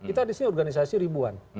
kita di sini organisasi ribuan